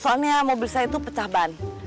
soalnya mobil saya itu pecah ban